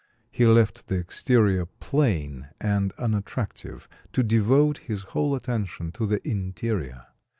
He left the exterior plain and unattractive, to devote his whole attention to the interior.